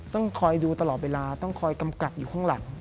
ต้องคอยดูตลอดเวลาต้องคอยกำกัดอยู่ข้างหลัง